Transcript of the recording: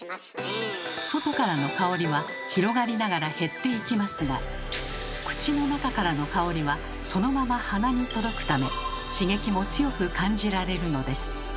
外からの香りは広がりながら減っていきますが口の中からの香りはそのまま鼻に届くため刺激も強く感じられるのです。